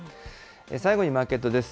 最後にマーケットです。